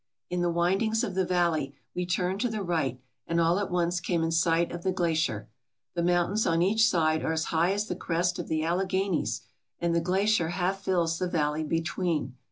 In the windings of the valley we turned to the right and all at once came in sight of the glacier. The mountains on each side are as high as the crest of the Alleghanies and the glacier half fills the valley between.